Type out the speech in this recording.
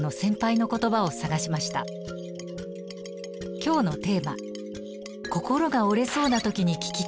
今日のテーマ「心が折れそうなときに聞きたい言葉」。